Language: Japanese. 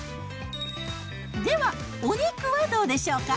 では、お肉はどうでしょうか。